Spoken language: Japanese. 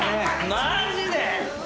マジで⁉